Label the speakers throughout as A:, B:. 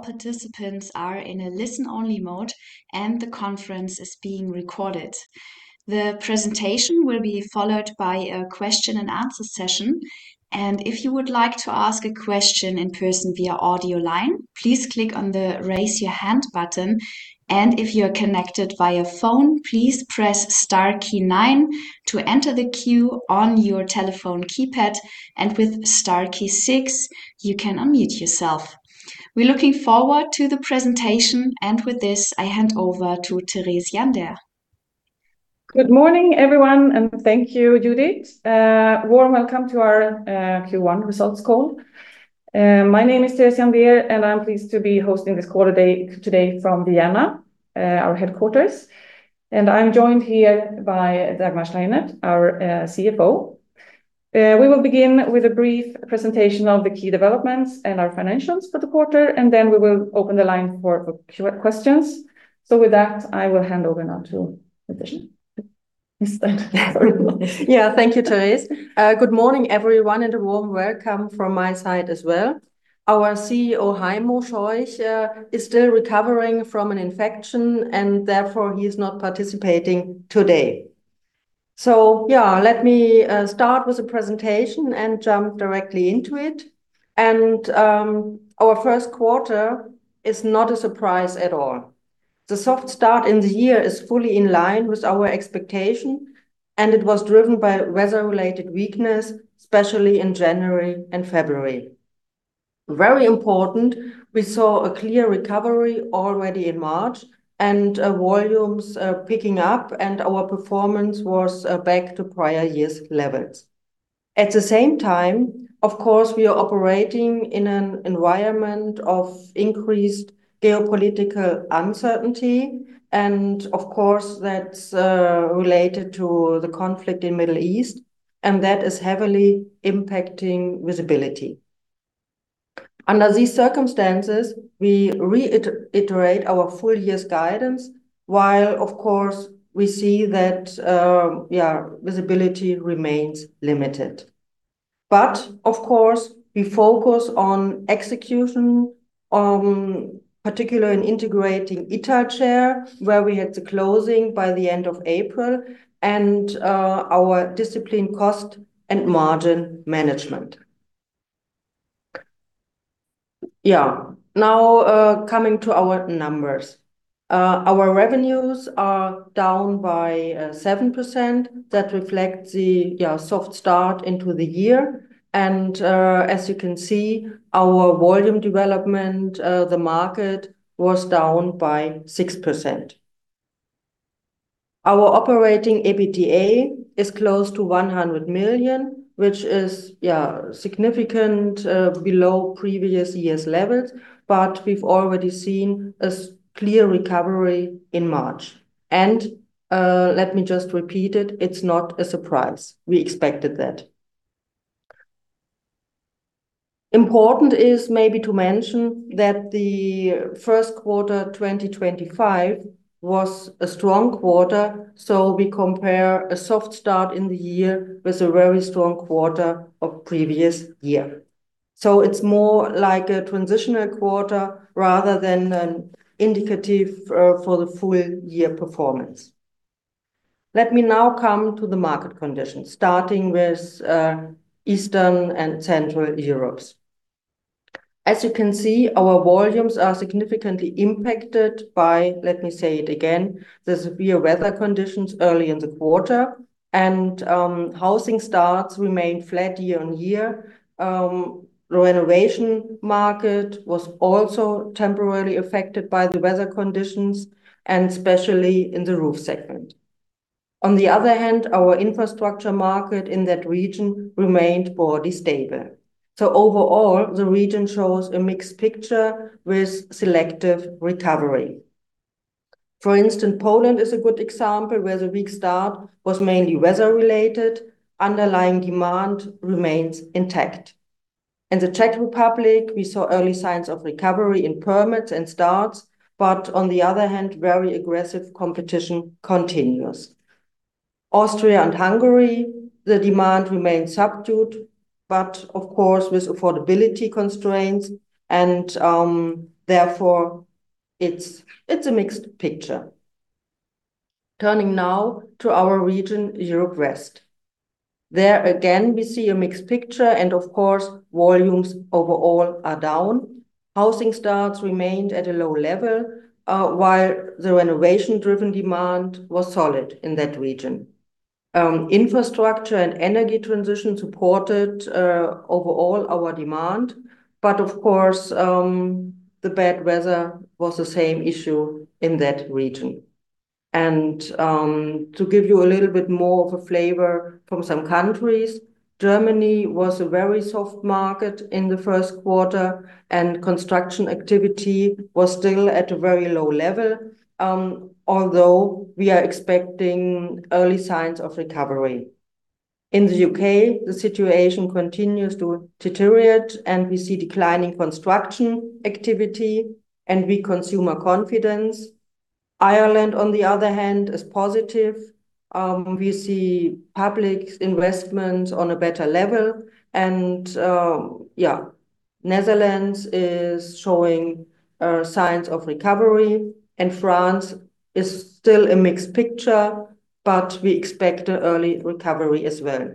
A: All participants are in a listen-only mode, and the conference is being recorded. The presentation will be followed by a question-and-answer session. If you would like to ask a question in person via audio line, please click on the raise your hand button. If you're connected via phone, please press star key nine to enter the queue on your telephone keypad, and with star key six, you can unmute yourself. We're looking forward to the presentation. With this, I hand over to Therese Jandér,
B: Good morning, everyone. Thank you, Judith. Warm welcome to our Q1 results call. My name is Therese Jandér, and I'm pleased to be hosting this call today from Vienna, our headquarters. I'm joined here by Dagmar Steinert, our CFO. We will begin with a brief presentation of the key developments and our financials for the quarter, and then we will open the line for questions. With that, I will hand over now to Dagmar.
C: Yes, thank you. Yeah, thank you, Therese. Good morning, everyone, a warm welcome from my side as well. Our CEO, Heimo Scheuch, is still recovering from an infection, and therefore, he is not participating today. Yeah, let me start with the presentation and jump directly into it. Our first quarter is not a surprise at all. The soft start in the year is fully in line with our expectations, and it was driven by weather-related weakness, especially in January and February. Very important, we saw a clear recovery already in March, and volumes are picking up, and our performance was back to prior years' levels. At the same time, of course, we are operating in an environment of increased geopolitical uncertainty and, of course, that's related to the conflict in the Middle East, and that is heavily impacting visibility. Under these circumstances, we reiterate our full-year guidance, while of course, we see that visibility remains limited. Of course, we focus on execution, particularly in integrating Italcer, where we had the closing by the end of April, and our discipline cost and margin management. Now, coming to our numbers. Our revenues are down by 7%. That reflects the soft start into the year. As you can see, our volume development, the market was down by 6%. Our operating EBITDA is close to 100 million, which is significantly below previous years' levels. We've already seen a clear recovery in March. Let me just repeat it's not a surprise. We expected that. Important is maybe to mention that the first quarter of 2025 was a strong quarter. We compare a soft start in the year with a very strong quarter of the previous year. It's more like a transitional quarter rather than an indicative for the full-year performance. Let me now come to the market conditions, starting with Eastern and Central Europe. As you can see, our volumes are significantly impacted by, let me say it again, the severe weather conditions early in the quarter. Housing starts remained flat year-on-year. The renovation market was also temporarily affected by the weather conditions, especially in the roof segment. On the other hand, our infrastructure market in that region remained broadly stable. Overall, the region shows a mixed picture with selective recovery. For instance, Poland is a good example where the weak start was mainly weather-related. Underlying demand remains intact. In the Czech Republic, we saw early signs of recovery in permits and starts; on the other hand, very aggressive competition continues. Austria and Hungary, the demand remains subdued, of course, with affordability constraints, and therefore it's a mixed picture. Turning now to our region, Europe West. There again, we see a mixed picture and of course, volumes overall are down. Housing starts remained at a low level, while the renovation-driven demand was solid in that region. Infrastructure and energy transition supported our overall demand. Of course, the bad weather was the same issue in that region. To give you a little bit more of a flavor from some countries, Germany was a very soft market in the 1st quarter, and construction activity was still at a very low level, although we are expecting early signs of recovery. In the U.K., the situation continues to deteriorate, and we see declining construction activity and weak consumer confidence. Ireland, on the other hand, is positive. We see public investment on a better level, and Netherlands is showing signs of recovery, and France is still a mixed picture, but we expect an early recovery as well.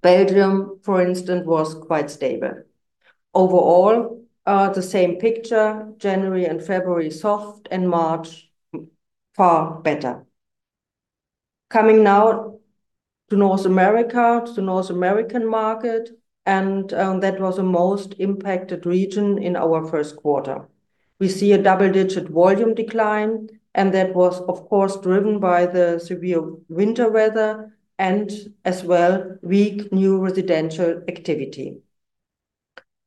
C: Belgium, for instance, was quite stable. Overall, the same picture, January and February soft, and March far better. Coming now to North America, to the North American market, that was the most impacted region in our first quarter. We see a double-digit volume decline, and that was, of course, driven by the severe winter weather and as well weak new residential activity.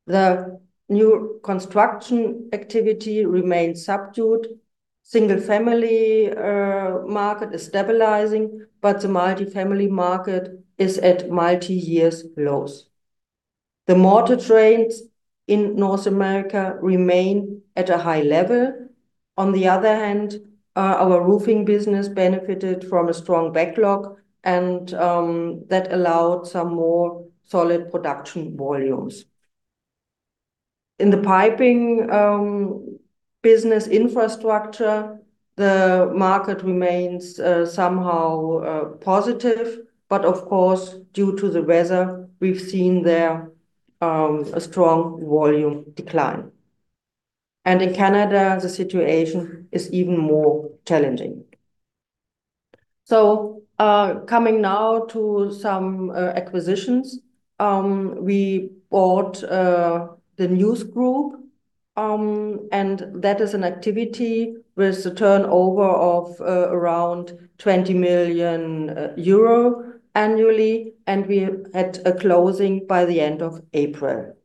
C: The new construction activity remains subdued. Single-family market is stabilizing, but the multi-family market is at multi-year lows. The mortar trades in North America remain at a high level. On the other hand, our roofing business benefited from a strong backlog and that allowed some more solid production volumes. In the piping business infrastructure, the market remains somehow positive, but of course, due to the weather, we've seen there a strong volume decline. In Canada, the situation is even more challenging. Coming now to some acquisitions, we bought the NEWS Group, and that is an activity with a turnover of around 20 million euro annually, and we had a closing by the end of April.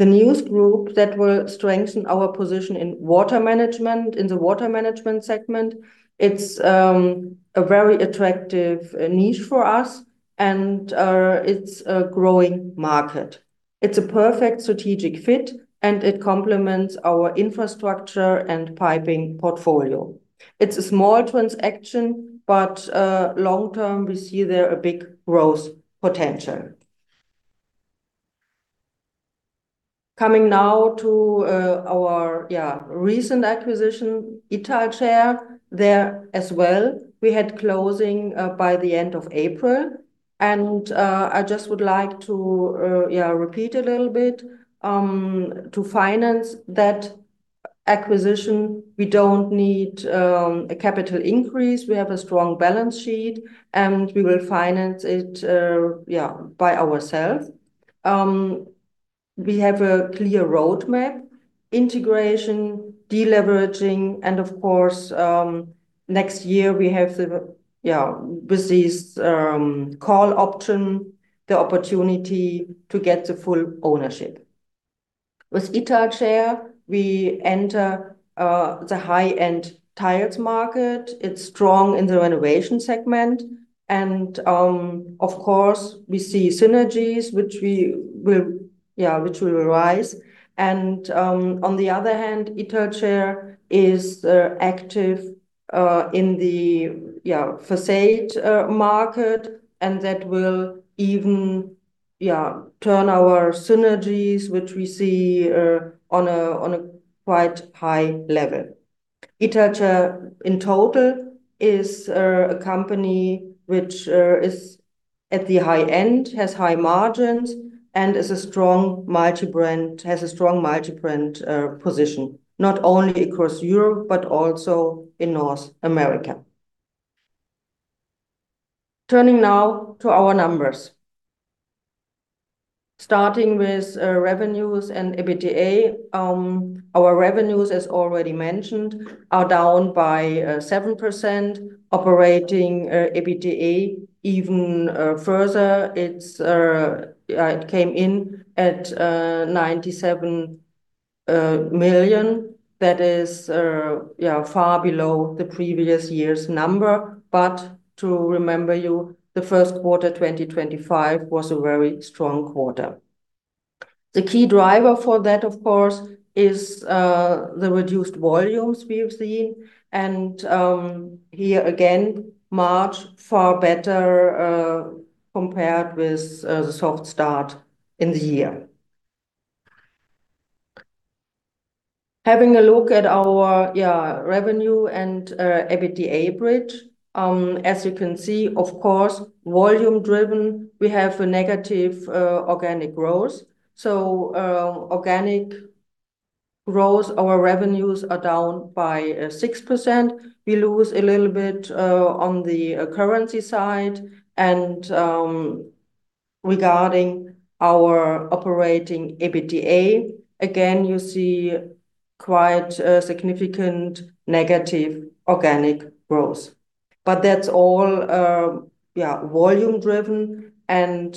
C: The NEWS Group, that will strengthen our position in water management, in the water management segment. It's a very attractive niche for us, and it's a growing market. It's a perfect strategic fit, and it complements our infrastructure and piping portfolio. It's a small transaction, but long-term, we see a big growth potential there. Coming now to our recent acquisition, Italcer. There as well we had a closing by the end of April, and I just would like to repeat a little bit. To finance that acquisition, we don't need a capital increase. We have a strong balance sheet, we will finance it by ourselves. We have a clear roadmap, integration, de-leveraging, and of course, next year we have the with this call option, the opportunity to get the full ownership. With Italcer, we enter the high-end tiles market. It's strong in the renovation segment, and of course, we see synergies which will rise. On the other hand, Italcer is active in the façade market, and that will even turn our synergies, which we see on quite a high level. Italcer, in total, is a company which is at the high end, has high margins, and has a strong multi-brand position, not only across Europe, but also in North America. Turning now to our numbers. Starting with revenues and EBITDA, our revenues, as already mentioned, are down by 7%. Operating EBITDA even further. It came in at 97 million. That is, yeah, far below the previous year's number. To remember you, the first quarter of 2025 was a very strong quarter. The key driver for that, of course, is the reduced volumes we have seen. Here again, March is far better compared with the soft start in the year. Having a look at our, yeah, revenue and EBITDA bridge, as you can see, of course, volume-driven, we have a negative organic growth. Organic growth, our revenues are down by 6%. We lose a little bit on the currency side, and regarding our operating EBITDA, again, you see quite a significant negative organic growth. That's all volume-driven and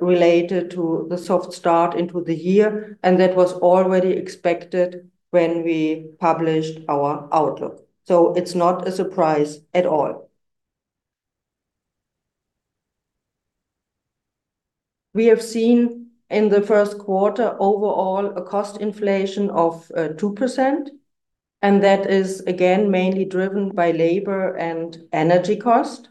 C: related to the soft start into the year, and that was already expected when we published our outlook. It's not a surprise at all. We have seen in the first quarter overall a cost inflation of 2%, and that is again mainly driven by labor and energy costs.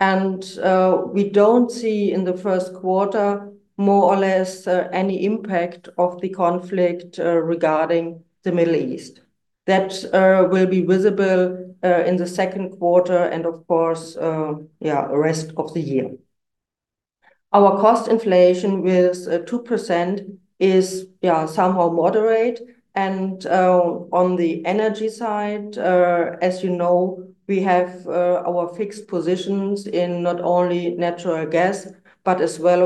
C: We don't see in the first quarter more or less any impact of the conflict regarding the Middle East. That will be visible in the second quarter and, of course, the rest of the year. Our cost inflation with 2% is somehow moderate. On the energy side, as you know, we have our fixed positions in not only natural gas, but as well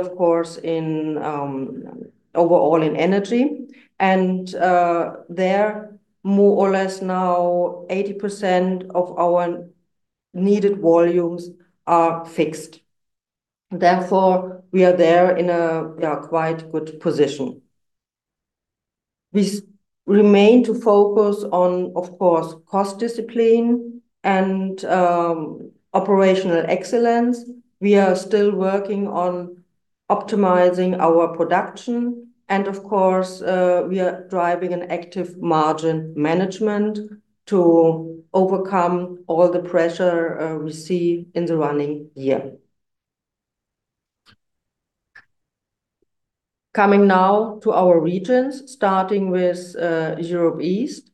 C: in overall energy. There, more or less, now 80% of our needed volumes are fixed. Therefore, we are there in a quite good position. We remain to focus on cost discipline and operational excellence. We are still working on optimizing our production, and we are driving an active margin management to overcome all the pressure we see in the running year. Coming now to our regions, starting with Europe East.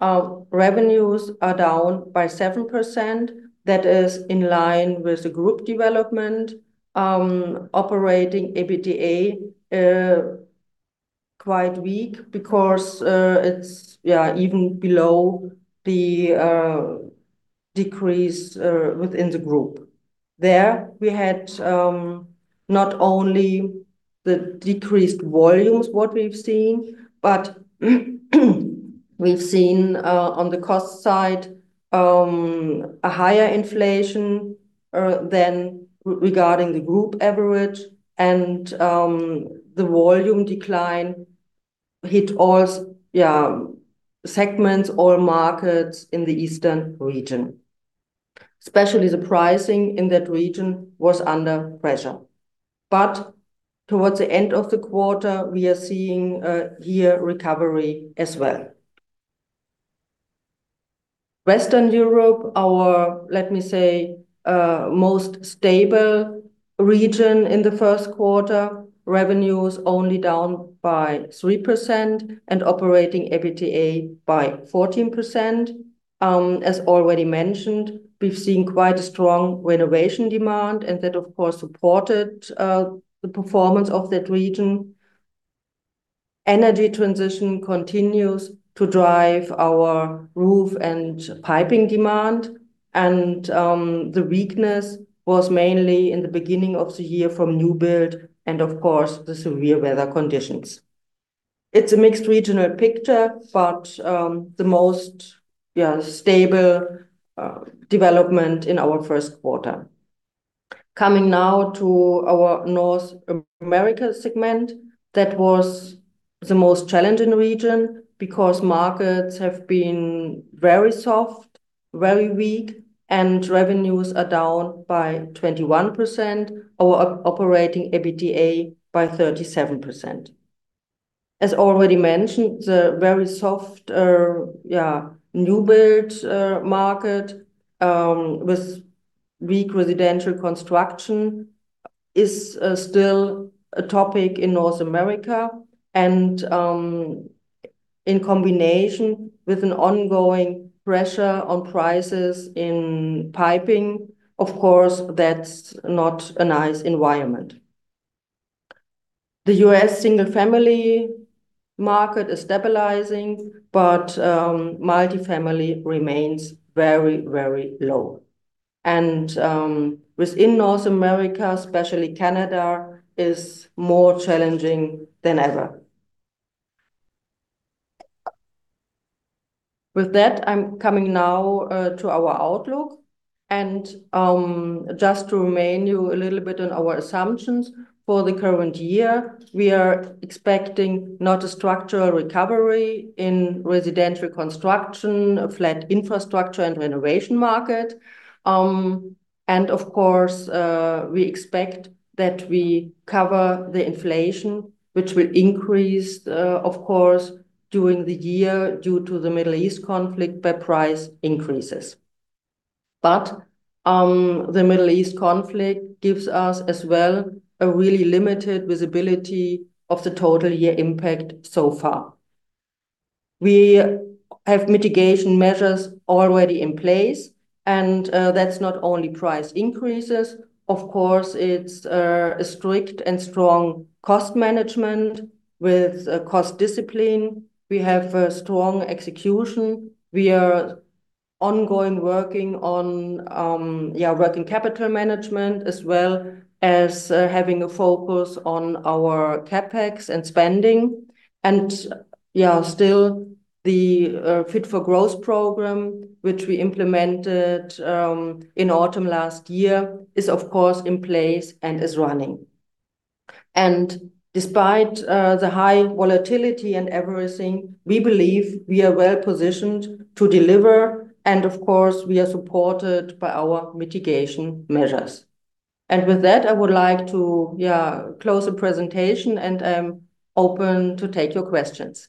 C: Our revenues are down by 7%. That is in line with the group development. Operating EBITDA is quite weak because it's even below the decrease within the group. There we had, not only the decreased volumes what we've seen, but we've seen, on the cost side, a higher inflation regarding the group average, and the volume decline hit all segments, all markets in the eastern region. Especially the pricing in that region was under pressure. Towards the end of the quarter, we are seeing a year recovery as well. Western Europe, our, let me say, most stable region in the first quarter, revenues only down by 3% and operating EBITDA by 14%. As already mentioned, we've seen quite a strong renovation demand, and that of course supported the performance of that region. Energy transition continues to drive our roof and piping demand. The weakness was mainly in the beginning of the year from the new build and, of course, the severe weather conditions. It's a mixed regional picture, the most stable development in our first quarter. Coming now to our North America segment, that was the most challenging region because markets have been very soft, very weak, and revenues are down by 21%, our operating EBITDA by 37%. As already mentioned, the very soft new-build market with weak residential construction is still a topic in North America, and in combination with an ongoing pressure on prices in piping, of course, that's not a nice environment. The U.S. single-family market is stabilizing, multi-family remains very, very low. Within North America, especially Canada, is more challenging than ever. I'm coming now to our outlook. Just to remind you a little bit on our assumptions, for the current year, we are expecting not a structural recovery in residential construction, a flat infrastructure and renovation market. Of course, we expect that we cover the inflation, which will increase, of course, during the year due to the Middle East conflict by price increases. The Middle East conflict gives us as well a really limited visibility of the total year impact so far. We have mitigation measures already in place, that's not only price increases. Of course, it's a strict and strong cost management with cost discipline. We have a strong execution. We are ongoing working on working capital management, as well as having a focus on our CapEx and spending. Still, the Fit for Growth program, which we implemented in the autumn last year, is of course in place and is running. Despite the high volatility and everything, we believe we are well-positioned to deliver, and of course, we are supported by our mitigation measures. With that, I would like to close the presentation, and I'm open to take your questions.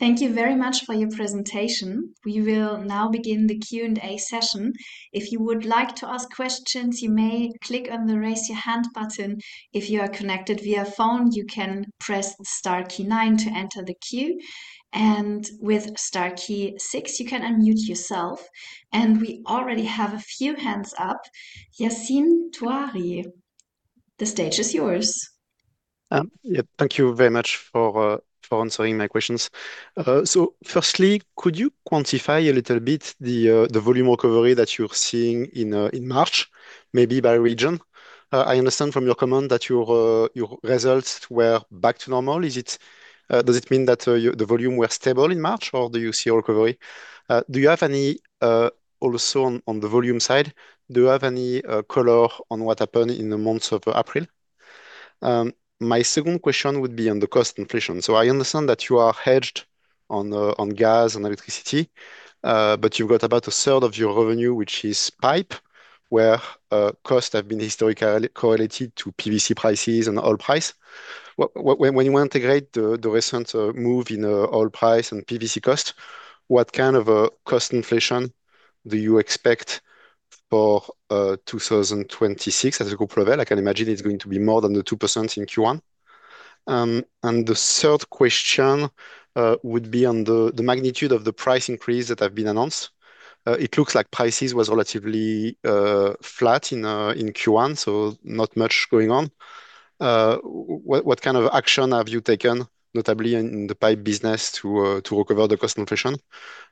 A: Thank you very much for your presentation. We will now begin the Q&A session. If you would like to ask questions, you may click on the Raise Your Hand button. If you are connected via phone, you can press star key nine to enter the queue, and with star key six, you can unmute yourself. We already have a few hands up. Yassine Touahri, the stage is yours.
D: Yeah, thank you very much for answering my questions. Firstly, could you quantify a little bit the volume recovery that you're seeing in March, maybe by region? I understand from your comment that your results were back to normal. Does it mean that the volume were stable in March, or do you see a recovery? Do you have any, also on the volume side, do you have any color on what happened in the month of April? My second question would be on the cost inflation. I understand that you are hedged on gas and electricity, but you've got about a third of your revenue, which is pipe, where costs have been historically correlated to PVC prices and oil prices. When you integrate the recent move in oil price and PVC cost, what kind of cost inflation do you expect for 2026 at the group level? I can imagine it's going to be more than the 2% in Q1. The third question would be on the magnitude of the price increase that have been announced. It looks like prices were relatively flat in Q1, not much is going on. What kind of action have you taken, notably in the pipe business, to recover the cost inflation?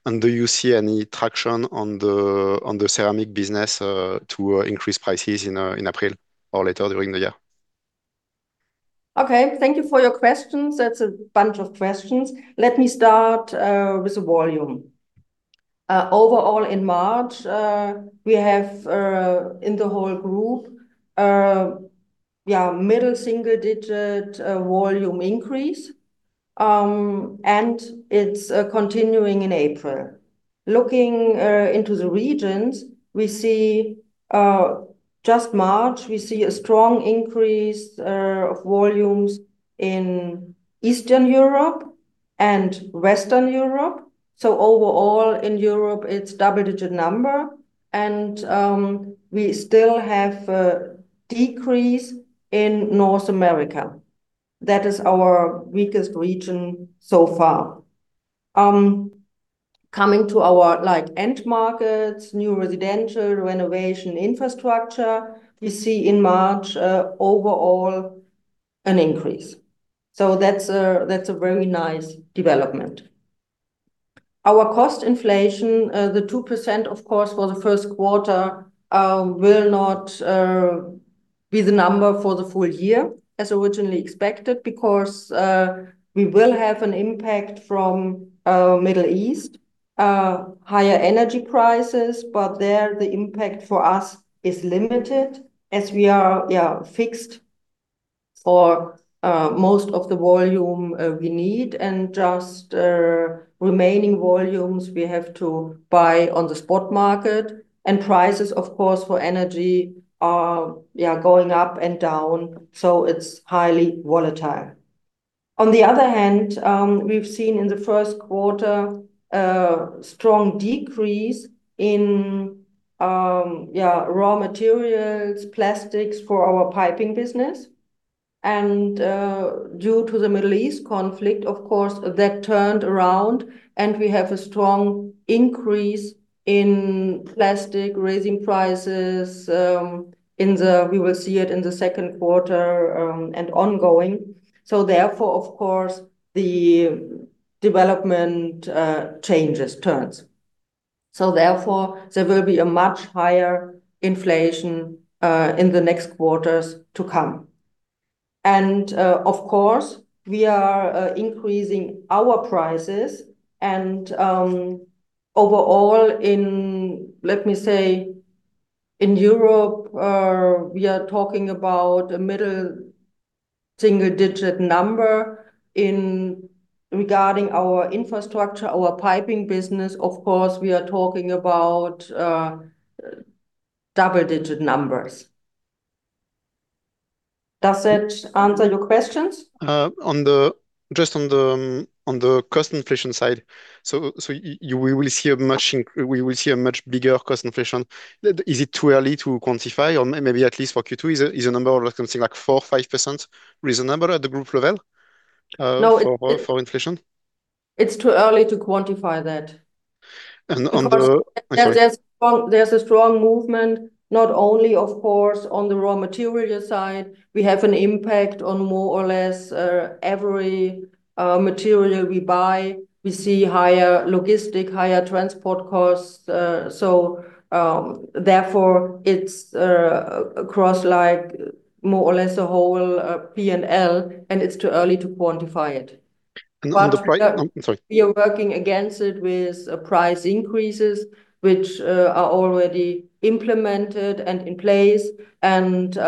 D: Do you see any traction on the ceramic business to increase prices in April or later during the year?
C: Okay. Thank you for your questions. That's a bunch of questions. Let me start with the volume. Overall, in March, we have in the whole group middle single-digit volume increase. It's continuing in April. Looking into the regions, we see just March, we see a strong increase in volumes in Eastern Europe and Western Europe. Overall in Europe, it's double-digit, and we still have a decrease in North America. That is our weakest region so far. Coming to our, like, end markets, new residential, renovation infrastructure, we see in March overall an increase. That's a very nice development. Our cost inflation, the 2%, of course, for the first quarter, will not be the number for the full year as originally expected because we will have an impact from Middle East higher energy prices, but there the impact for us is limited as we are fixed for most of the volume we need and just the remaining volumes we have to buy on the spot market. Prices, of course, for energy are going up and down, so it's highly volatile. On the other hand, we've seen in the first quarter a strong decrease in raw materials, plastics for our piping business. Due to the Middle East conflict, of course, that turned around, and we have a strong increase in plastic, raising prices. We will see it in the second quarter and ongoing. Therefore, of course, the development changes, turns. Therefore, there will be a much higher inflation in the next quarters to come. Of course, we are increasing our prices and overall in, let me say, in Europe, we are talking about a middle single-digit number in regarding our infrastructure, our piping business, of course, we are talking about double-digit numbers. Does that answer your questions?
D: Just on the cost inflation side, you will see a much bigger cost inflation. Is it too early to quantify, or maybe at least for Q2, is a number of something like 4%-5% reasonable at the group level?
C: No.
D: For inflation?
C: It's too early to quantify that.
D: And on the-
C: Because-
D: I'm sorry.
C: There's a strong movement, not only of course, on the raw material side. We have an impact on more or less every material we buy. We see higher logistics and higher transport costs. Therefore, it's across like more or less a whole P&L, and it's too early to quantify it.
D: And on the pri-
C: But we are-
D: I'm sorry.
C: We are working against it with price increases, which are already implemented and in place, and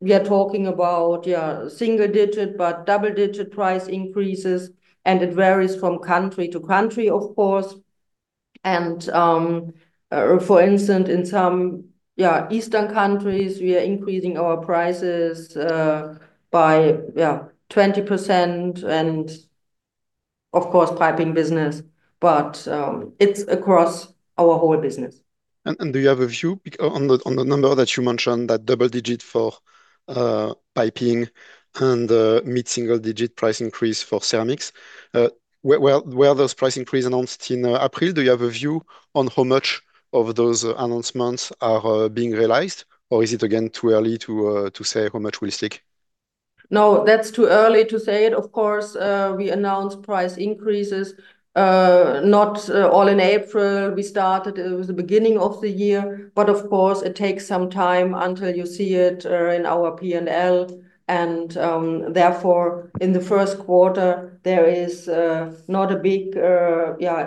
C: we are talking about single-digit, but double-digit price increases, and it varies from country to country, of course. For instance, in some eastern countries, we are increasing our prices by 20%, and of course, the piping business, but it's across our whole business.
D: Do you have a view on the number that you mentioned, that double-digit for piping and the mid-single-digit price increases for ceramics? Where are those price increases announced in April? Do you have a view on how much of those announcements are being realized, or is it again too early to say how much will stick?
C: No, that's too early to say it. Of course, we announced price increases, not all in April. We started, it was the beginning of the year. Of course, it takes some time until you see it in our P&L, and therefore, in the first quarter, there is not a big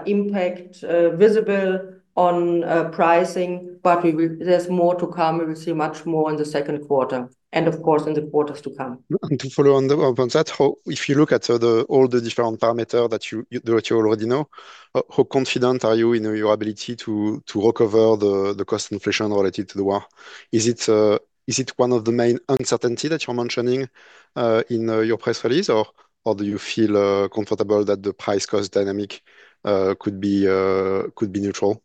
C: impact visible on pricing. There's more to come. We will see much more in the second quarter and, of course, in the quarters to come.
D: To follow up on that, how, if you look at, all the different parameters that you that you already know, how confident are you in your ability to recover the cost inflation related to the war? Is it, is it one of the main uncertainties that you're mentioning in your press release, or do you feel comfortable that the price-cost dynamic could be neutral?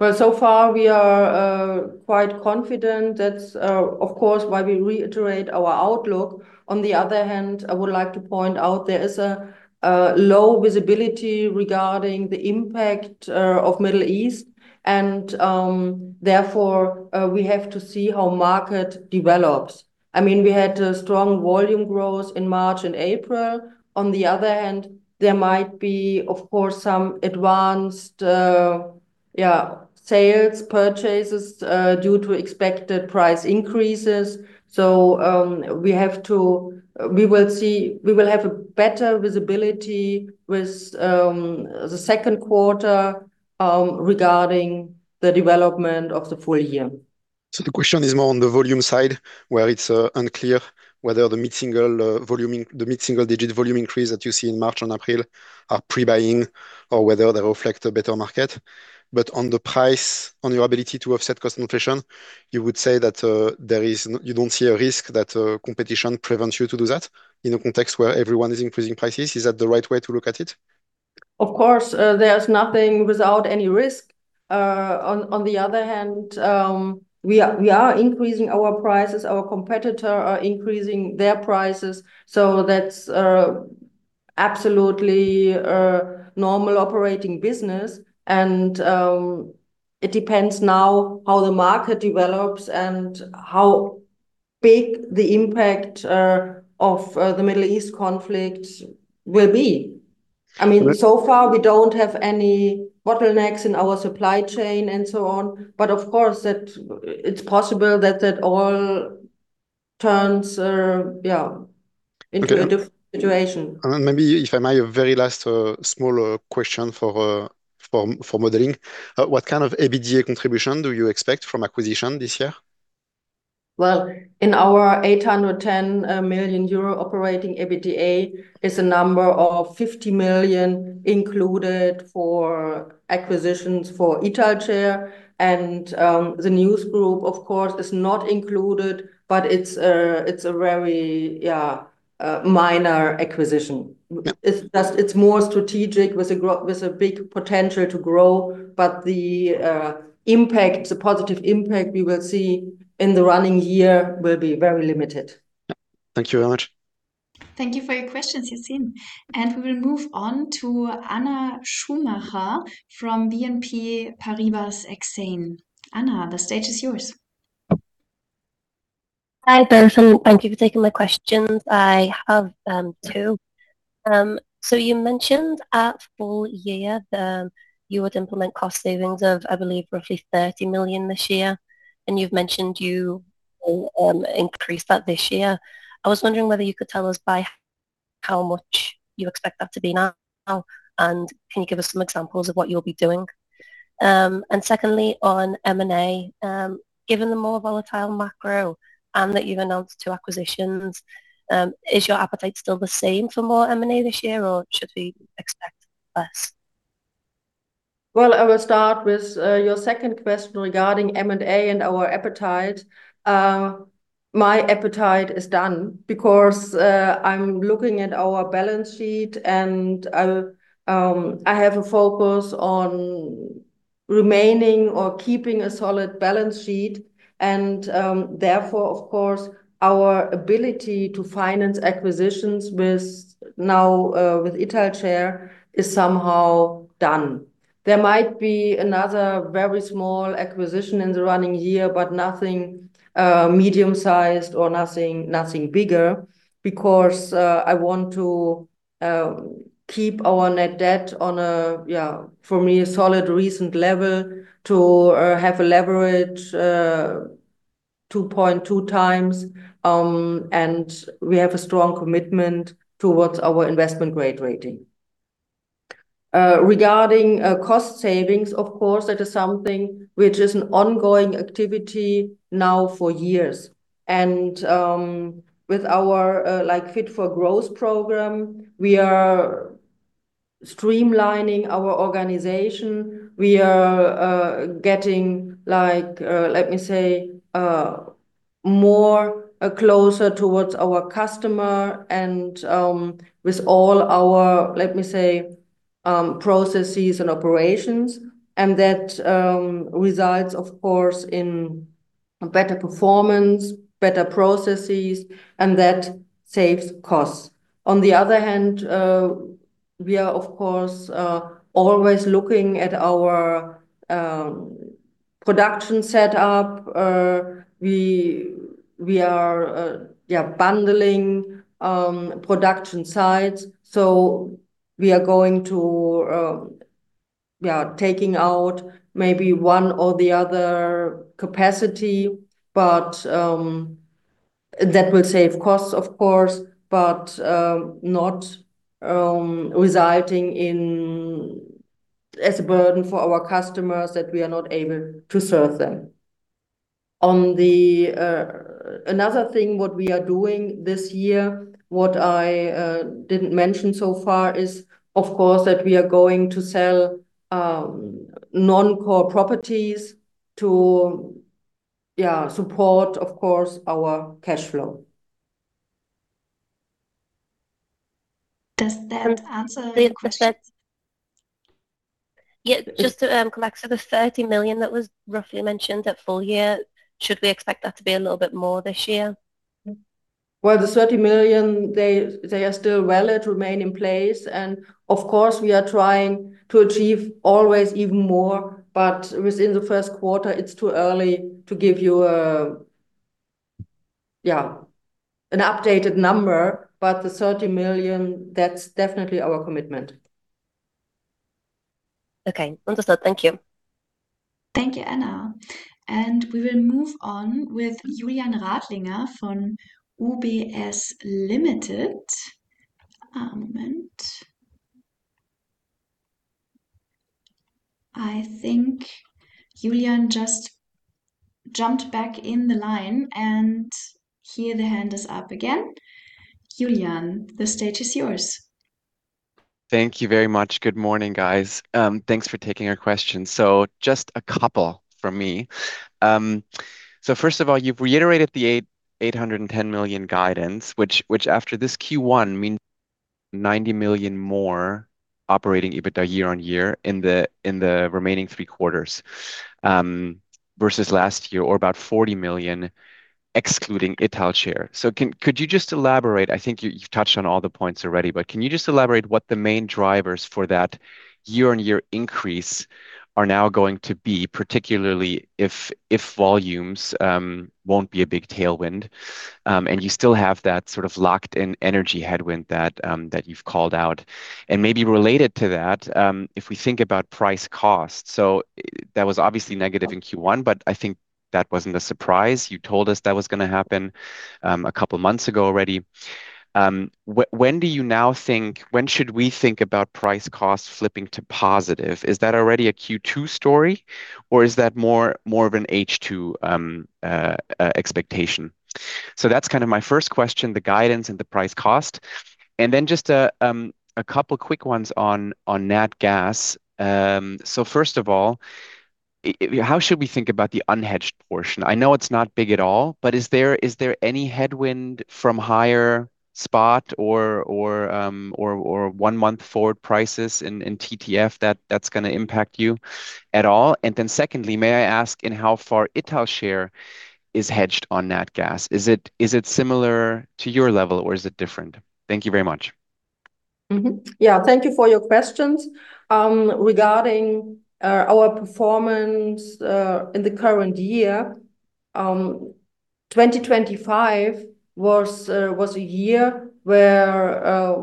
C: So far, we are quite confident. That's, of course, why we reiterate our outlook. I would like to point out there is low visibility regarding the impact of the Middle East, and therefore we have to see how the market develops. I mean, we had a strong volume growth in March and April. There might be, of course, some advanced sales and purchases due to expected price increases. We will see, we will have better visibility with the second quarter regarding the development of the full year.
D: The question is more on the volume side, where it's unclear whether the mid-single-digit volume increase that you see in March and April are pre-buying or whether they reflect a better market. On the price, on your ability to offset cost inflation, you would say that you don't see a risk that competition prevents you to do that in a context where everyone is increasing prices. Is that the right way to look at it?
C: Of course. There's nothing without any risk. On the other hand, we are increasing our prices. Our competitor are increasing their prices, that's absolutely normal operating business. It depends now on how the market develops and how big the impact of the Middle East conflict will be.
D: But-
C: So far we don't have any bottlenecks in our supply chain and so on, but of course it's possible that that all turns.
D: Okay,
C: a situation.
D: Maybe if I may, a very last, small question for modeling. What kind of EBITDA contribution do you expect from the acquisition this year?
C: Well, in our 810 million euro operating EBITDA, is a number of 50 million is included for acquisitions for Italcer. The NEWS Group, of course, is not included, but it's a very minor acquisition. It's just, it's more strategic with a big potential to grow, but the impact, the positive impact we will see in the running year will be very limited.
D: Thank you very much.
A: Thank you for your questions, Yassine. We will move on to Anna Schumacher from BNP Paribas Exane. Anna, the stage is yours.
E: Hi Bérangère. Thank you for taking my questions. I have two. You mentioned at full year, you would implement cost savings of, I believe, roughly 30 million this year, and you've mentioned you will increase that this year. I was wondering whether you could tell us by how much you expect that to be now, and can you give us some examples of what you'll be doing? Secondly, on M&A, given the more volatile macro and that you've announced two acquisitions, is your appetite still the same for more M&A this year, or should we expect less?
C: I will start with your second question regarding M&A and our appetite. My appetite is done because I'm looking at our balance sheet and I'll, I have a focus on remaining or keeping a solid balance sheet, and therefore, of course, our ability to finance acquisitions with now, with Italcer is somehow done. There might be another very small acquisition in the running year, but nothing medium-sized or nothing bigger because I want to keep our net debt on a, yeah, for me, a solid recent level to have a leverage of 2.2x. We have a strong commitment towards our investment-grade rating. Regarding cost savings, of course, that is something which is an ongoing activity now for years. With our like Fit for Growth program, we are streamlining our organization. We are getting like, let me say, more closer towards our customer, and with all our, let me say, processes and operations, and that results, of course, in better performance, better processes, and that saves costs. On the other hand, we are, of course, always looking at our production setup. We are bundling production sites. We are going to we are taking out maybe one or the other capacity, but that will save costs, of course, but not resulting in as a burden for our customers that we are not able to serve them. On the, another thing what we are doing this year, what I didn't mention so far, is, of course, that we are going to sell, non-core properties to support, of course, our cash flow.
A: Does that answer your question?
E: Just to come back. The 30 million that was roughly mentioned at full year, should we expect that to be a little bit more this year?
C: Well, the 30 million, they are still valid, remain in place. Of course, we are always trying to achieve even more. Within the first quarter, it's too early to give you a, yeah, an updated number. The 30 million, that's definitely our commitment.
E: Okay. Understood. Thank you.
A: Thank you, Anna. We will move on with Julian Radlinger from UBS Limited. One moment. I think Julian just jumped back in the line, and here the hand is up again. Julian, the stage is yours.
F: Thank you very much. Good morning, guys. Thanks for taking our questions. Just a couple from me. First of all, you've reiterated the 810 million guidance, which, after this Q1 means 90 million more operating EBITDA year-on-year in the remaining three quarters versus last year, or about 40 million excluding Italcer. Could you just elaborate? I think you've touched on all the points already, but could you just elaborate on what the main drivers for that year-on-year increase are now going to be, particularly if volumes won't be a big tailwind, and you still have that sort of locked-in energy headwind that you've called out? Maybe related to that, if we think about price cost, so that was obviously negative in Q1, but I think that wasn't a surprise. You told us that was gonna happen a couple of months ago already. When do you now think, when should we think about price cost flipping to positive? Is that already a Q2 story, or is that more of an H2 expectation? That's kind of my first question, the guidance and the price cost. Then just a couple quick ones on nat gas. First of all, how should we think about the unhedged portion? I know it's not big at all, but is there any headwind from a higher spot or one-month forward prices in TTF that's gonna impact you at all? Secondly, may I ask in how far Italcer is hedged on nat gas? Is it similar to your level or is it different? Thank you very much.
C: Yeah, thank you for your questions. Regarding our performance in the current year, 2025 was a year where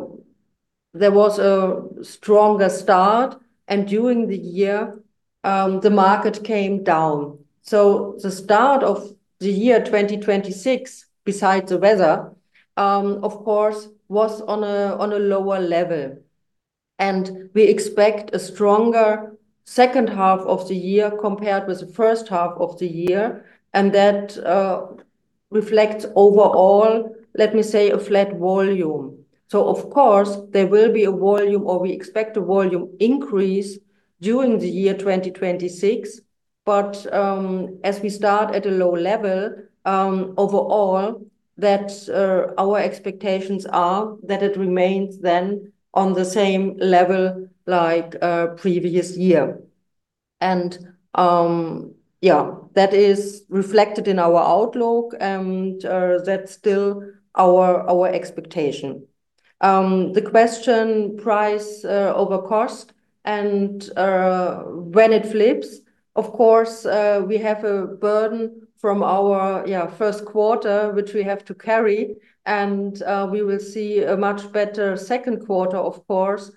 C: there was a stronger start. During the year, the market came down. The start of the year 2026, besides the weather, of course, was on a lower level. We expect a stronger second half of the year compared with the first half of the year. That reflects overall, let me say, a flat volume. Of course, there will be a volume, or we expect a volume increase during the year 2026. As we start at a low level, overall, that's our expectations are that it remains then on the same level like previous year. Yeah, that is reflected in our outlook. That's still our expectation. The question price over cost. When it flips, of course, we have a burden from our first quarter, which we have to carry. We will see a much better second quarter, of course.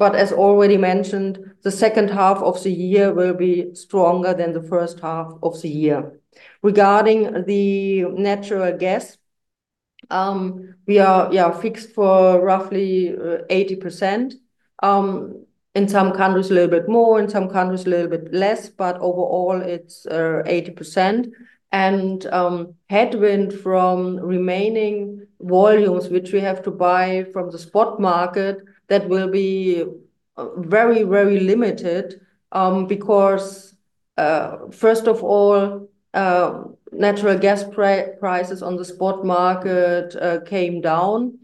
C: As already mentioned, the second half of the year will be stronger than the first half of the year. Regarding the natural gas, we are fixed for roughly 80%. In some countries, a little bit more, in some countries, a little bit less, but overall it's 80%. Headwind from remaining volumes, which we have to buy from the spot market, that will be very, very limited, because first of all, natural gas prices on the spot market came down.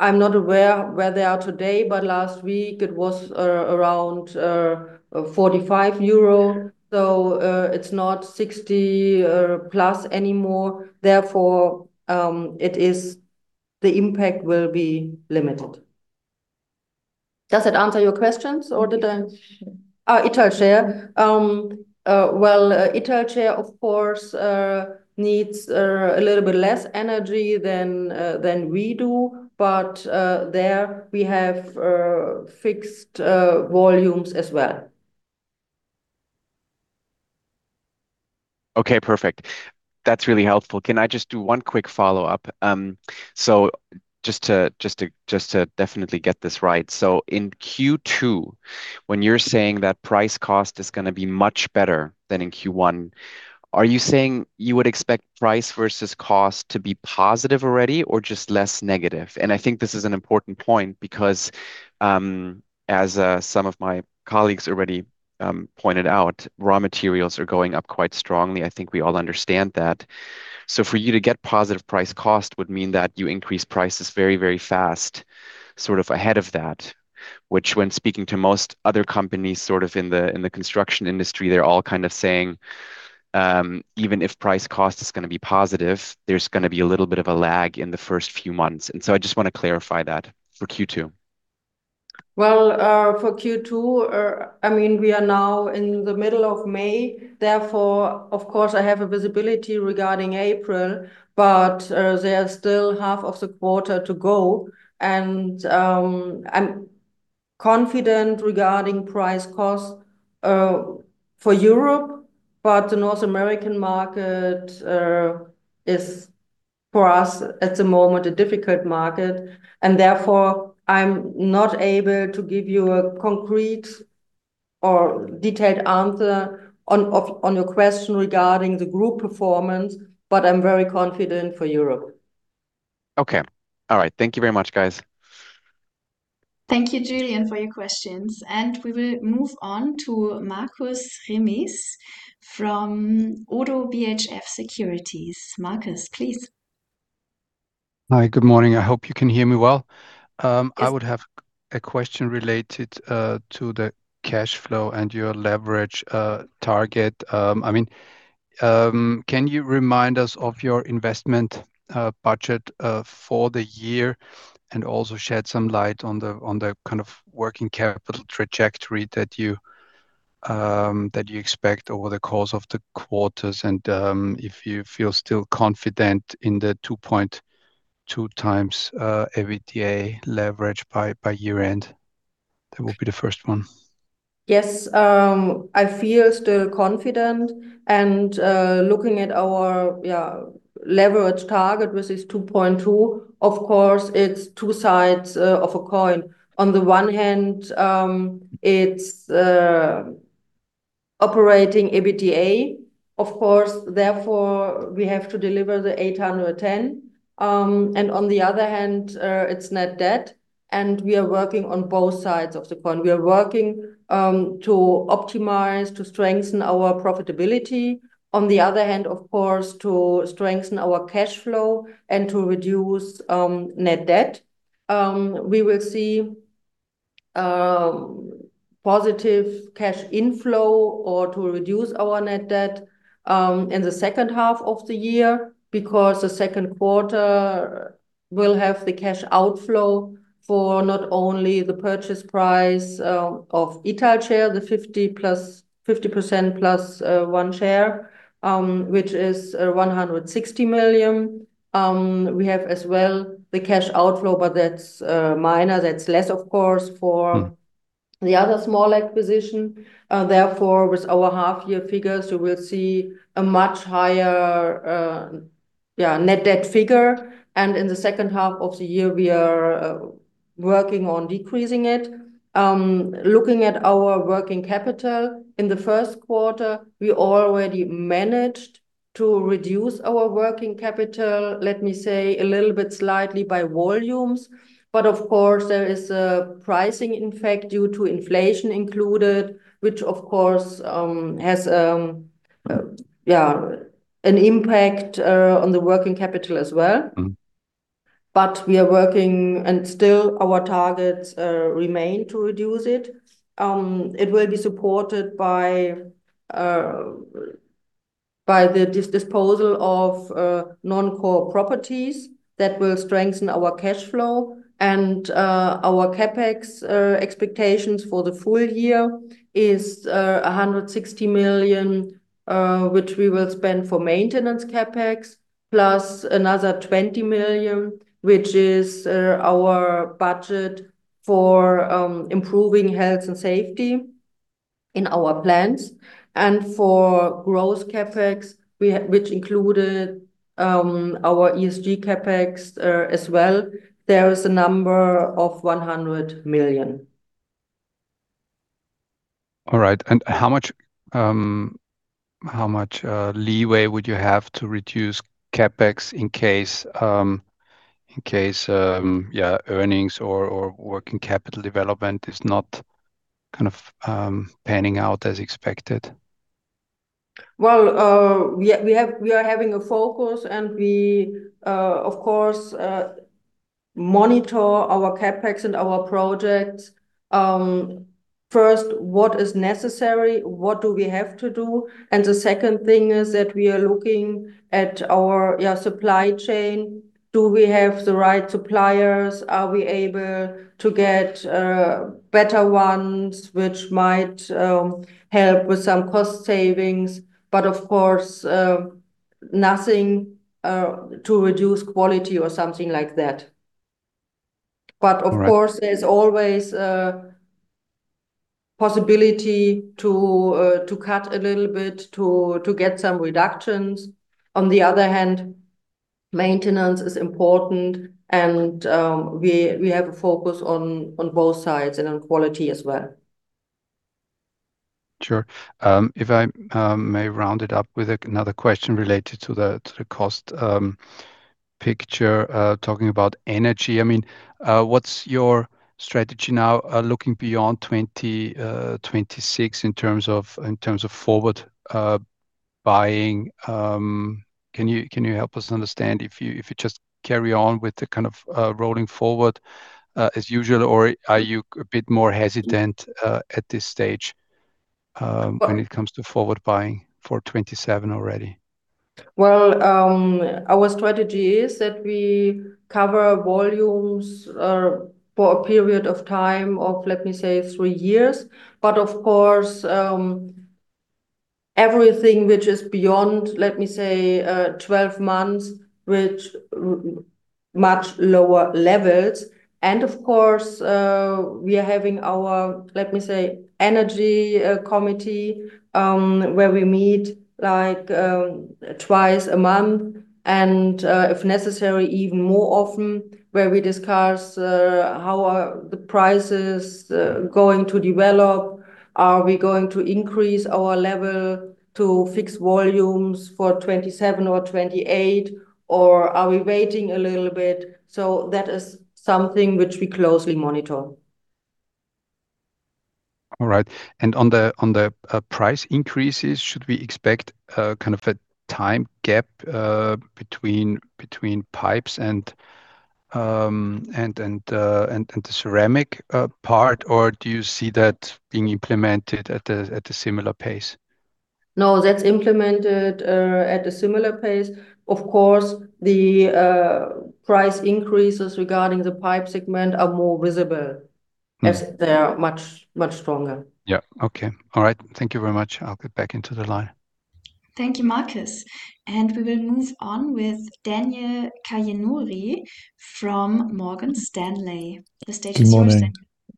C: I'm not aware where they are today, but last week it was around 45 euro. It's not 60+ anymore; therefore, it is the impact will be limited. Does it answer your questions?
F: Italcer.
C: Italcer, of course, needs a little bit less energy than we do, but there we have fixed volumes as well.
F: Okay, perfect. That's really helpful. Can I just do one quick follow-up? Just to definitely get this right. In Q2, when you're saying that price cost is going to be much better than in Q1, are you saying you would expect price versus cost to be positive already, or just less negative? I think this is an important point because, as some of my colleagues already pointed out, raw materials are going up quite strongly. I think we all understand that. For you to get a positive price cost would mean that you increase prices very, very fast, sort of ahead of that, which, when speaking to most other companies, sort of in the, in the construction industry, they're all kind of saying, even if price cost is gonna be positive, there's gonna be a little bit of a lag in the first few months. I just want to clarify that for Q2.
C: Well, for Q2, I mean, we are now in the middle of May, therefore, of course, I have visibility regarding April, but there are still half of the quarter to go. I'm confident regarding the price cost for Europe, but the North American market is, for us, at the moment a difficult market, and therefore I'm not able to give you a concrete or detailed answer on your question regarding the group performance, but I'm very confident for Europe.
F: Okay. All right. Thank you very much, guys.
A: Thank you, Julian, for your questions. We will move on to Markus Remis from Oddo BHF Securities. Markus, please.
G: Hi, good morning. I hope you can hear me well.
B: Yes.
G: I would have a question related to the cash flow and your leverage target. I mean, can you remind us of your investment budget for the year, and also shed some light on the kind of working capital trajectory that you expect over the course of the quarters, and if you feel still confident in the 2.2x EBITDA leverage by year-end? That will be the first one.
C: Yes. I feel still confident looking at our leverage target, which is 2.2x, of course, it's two sides of a coin. On the one hand, it's operating EBITDA, of course, therefore we have to deliver the 810. On the other hand, it's net debt, and we are working on both sides of the coin. We are working to optimize, to strengthen our profitability, on the other hand, of course, to strengthen our cash flow and to reduce net debt. We will see a positive cash inflow or to reduce our net debt in the second half of the year because the second quarter will have the cash outflow for not only the purchase price of Italcer, the 50%+ 1 share, which is 160 million. We have as well the cash outflow, but that's minor, that's less, of course. The other small acquisition. Therefore, with our half-year figures, we will see a much higher net debt figure. In the second half of the year, we are working on decreasing it. Looking at our working capital, in the first quarter we already managed to reduce our working capital, let me say a little bit, slightly by volumes. Of course, there is a pricing impact due to inflation included, which, of course, has an impact on the working capital as well. We are working, and our targets still remain to reduce it. It will be supported by the disposal of non-core properties that will strengthen our cash flow. Our CapEx expectations for the full year is 160 million, which we will spend for maintenance CapEx, plus another 20 million, which is our budget for improving health and safety in our plans. For growth CapEx, which included our ESG CapEx as well, there is a number of 100 million.
G: All right. How much leeway would you have to reduce CapEx in case earnings or working capital development is not panning out as expected?
C: Well, we are having a focus, and we, of course, monitor our CapEx and our projects. First, what is necessary? What do we have to do? The second thing is that we are looking at our, yeah, supply chain. Do we have the right suppliers? Are we able to get better ones, which might help with some cost savings? Of course, nothing to reduce quality or something like that.
G: All right.
C: Of course, there's always a possibility to cut a little bit to get some reductions. On the other hand, maintenance is important, and we have a focus on both sides and on quality as well.
G: Sure. If I may round it up with another question related to the cost picture, talking about energy. I mean, what's your strategy now, looking beyond 2026, in terms of forward buying? Can you help us understand if you just carry on with the kind of rolling forward as usual, or are you a bit more hesitant at this stage when it comes to forward buying for 2027 already?
C: Our strategy is that we cover volumes for a period of time of, let me say, three years. Of course, everything which is beyond, let me say, 12 months, which much lower levels. Of course, we are having our, let me say, energy committee, where we meet, like, 2x a month and, if necessary, even more often, where we discuss how the prices are going to develop. Are we going to increase our level to fix volumes for 2027 or 2028, or are we waiting a little bit? That is something which we closely monitor.
G: All right. On the price increases, should we expect a kind of time gap between pipes and the ceramic part, or do you see that being implemented at a similar pace?
C: No, that's implemented at a similar pace. Of course, the price increases regarding the pipe segment are more visible. As they are much, much stronger.
G: Yeah. Okay. All right. Thank you very much. I'll get back into the line.
A: Thank you, Markus. We will move on with Daniel Khajenouri from Morgan Stanley. The stage is yours, Daniel
H: Good morning.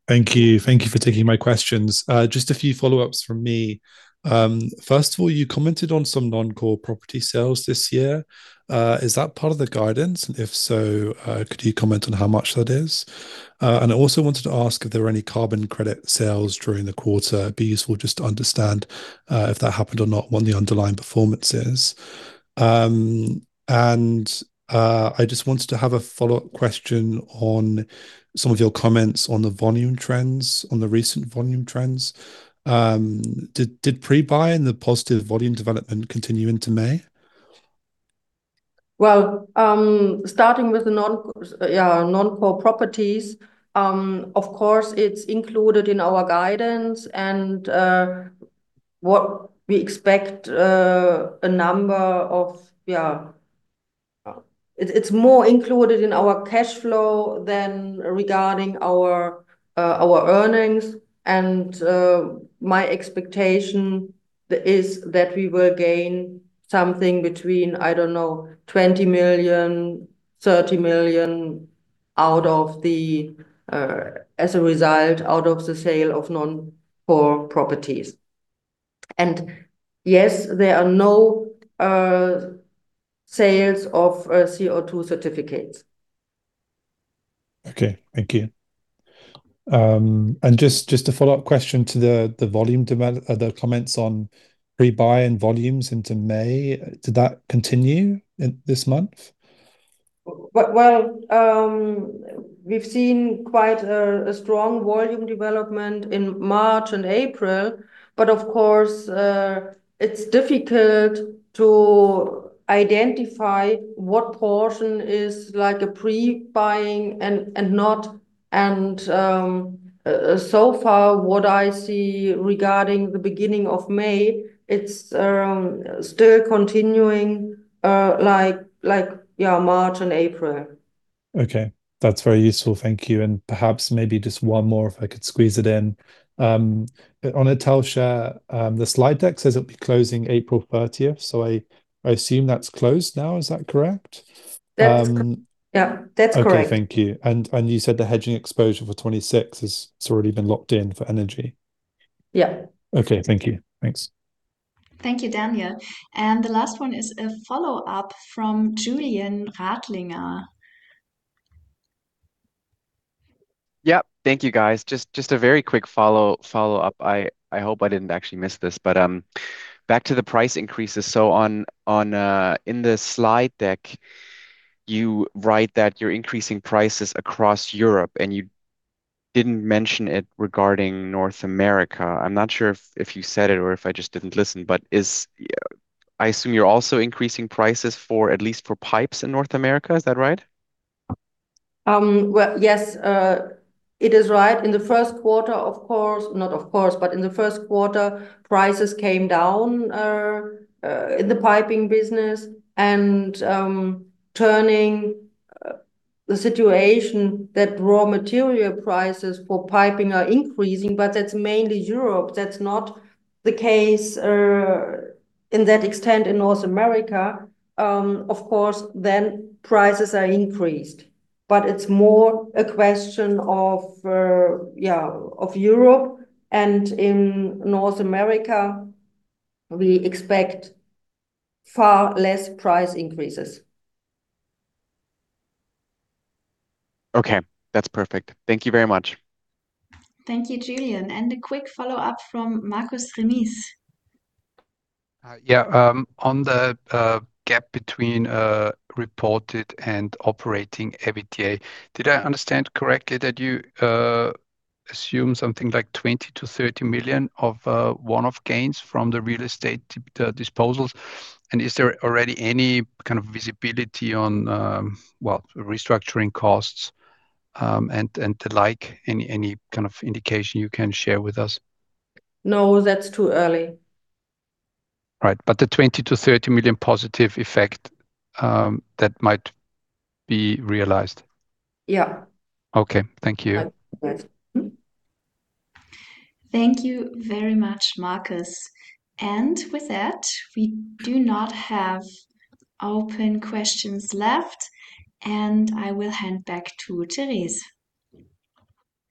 H: Thank you. Thank you for taking my questions. Just a few follow-ups from me. First of all, you commented on some non-core property sales this year. Is that part of the guidance? If so, could you comment on how much that is? I also wanted to ask if there were any carbon credit sales during the quarter. It'd be useful just to understand if that happened or not, what the underlying performance is. I just wanted to have a follow-up question on some of your comments on the recent volume trends. Did pre-buying the positive volume development continue into May?
C: Well, starting with the non, yeah, non-core properties, of course, it's included in our guidance and what we expect. It's more included in our cash flow than regarding our earnings. My expectation is that we will gain something between, I don't know, 20 million and 30 million as a result out of the sale of non-core properties. Yes, there are no sales of CO2 certificates.
H: Okay. Thank you. Just a follow-up question to the volume comments on pre-buying volumes into May. Did that continue in this month?
C: Well, we've seen quite a strong volume development in March and April. Of course, it's difficult to identify what portion is like a pre-buying and not. So far, what I see regarding the beginning of May, is still continuing like, yeah, March and April.
H: Okay. That's very useful. Thank you. Perhaps maybe just one more, if I could squeeze it in. On Italcer, the slide deck says it'll be closing April 30th. I assume that's closed now. Is that correct?
C: Yeah, that's correct.
H: Okay. Thank you. You said the hedging exposure for 2026 is already been locked in for energy?
C: Yeah.
H: Okay. Thank you. Thanks.
A: Thank you, Daniel. The last one is a follow-up from Julian Radlinger.
F: Yeah. Thank you, guys. Just a very quick follow-up. I hope I didn't actually miss this, but back to the price increases. On the slide deck, you write that you're increasing prices across Europe, and you didn't mention it regarding North America. I'm not sure if you said it or if I just didn't listen, but is, I assume you're also increasing prices for, at least for pipes in North America. Is that right?
C: Well, yes. It is right. In the first quarter, prices came down in the piping business, and turning the situation that raw material prices for piping are increasing. That's mainly Europe. That's not the case in that extent in North America. Of course, then prices are increased. It's more a question of Europe, and in North America, we expect far less price increases.
F: Okay. That's perfect. Thank you very much.
A: Thank you, Julian. A quick follow-up from Markus Remis.
G: On the gap between reported and operating EBITDA, did I understand correctly that you assume something like 20 million-30 million of one-off gains from the real estate disposals? Is there already any kind of visibility on, well, restructuring costs and the like? Any kind of indication you can share with us?
C: No, that's too early.
G: Right. The 20 million-30 million positive effect, that might be realized?
C: Yeah.
G: Okay. Thank you.
C: That's right. Mm-hmm.
A: Thank you very much, Markus. With that, we do not have open questions left, and I will hand back to Therese.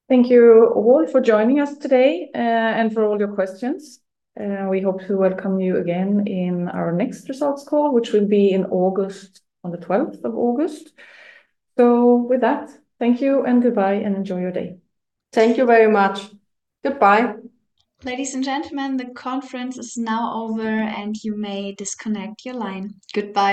B: Thank you all for joining us today, and for all your questions. We hope to welcome you again in our next results call, which will be in August, on the 12th of August. With that, thank you and goodbye, and enjoy your day.
C: Thank you very much. Goodbye.
A: Ladies and gentlemen, the conference is now over, and you may disconnect your line. Goodbye